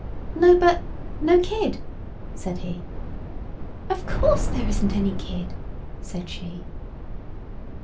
"No, but—no kid," said he. "Of course there isn't any kid," said she.